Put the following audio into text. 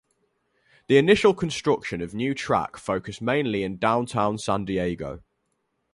The initial construction of new track focused mainly in downtown San Diego.